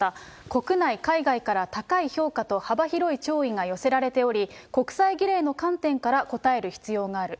国内、海外から高い評価と幅広い弔意が寄せられており、国際儀礼の観点から応える必要がある。